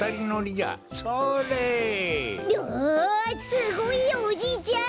すごいよおじいちゃん！